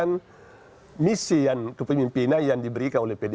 anis itu di daegu yang terlasih kaya